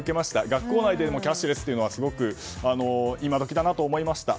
学校内でキャッシュレスというのは今時だなと思いました。